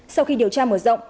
sau khi điều tra mở rộng